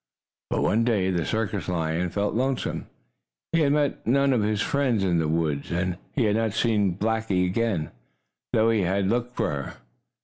But one day the circus lion felt lonesome. He had met none of his friends in the woods, and had not seen Blackie again, though he had looked for her.